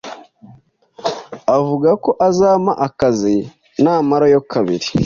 Avuga ko azampa akazi namarayo kabiri.